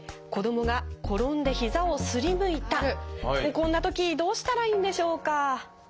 こんなときどうしたらいいんでしょうか？